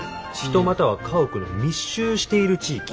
「人または家屋の密集している地域」。